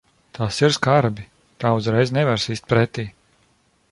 Tas ir skarbi. Tā uzreiz nevar sist pretī.